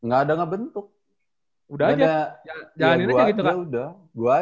gak ada ngebentuk udah aja